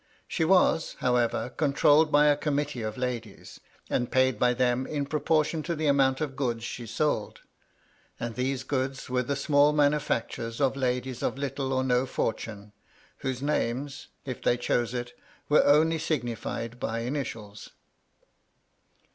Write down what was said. She was, however, controlled by a committee of ladies ; and paid by them in proportion to the amount of goods she sold ; and these goods were the small manufactures of ladies of little or no fortune, whose names, if they chose it, were only signified by initials.